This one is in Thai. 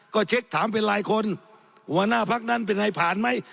ก็เช็คถามเป็นหลายคนหัวหน้าพักนั้นเป็นใครผ่านไหม